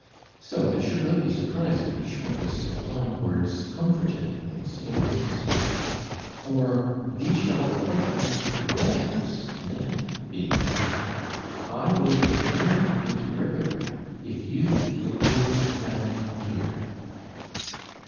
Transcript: So it should not be surprising that Schmucke's sublime words comforted Pons in his despair; for "Ve shall go prick a pracking togeders," meant, being interpreted, "I will put money into bric a brac, if you will only dine here."